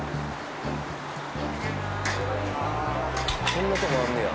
こんなとこあんねや。